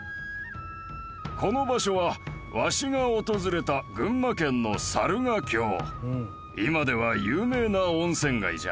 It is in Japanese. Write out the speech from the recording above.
この場所はわしが訪れた今では有名な温泉街じゃ。